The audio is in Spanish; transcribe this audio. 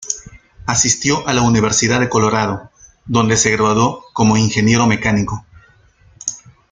Asistió a la universidad de Colorado, donde se graduó como Ingeniero Mecánico.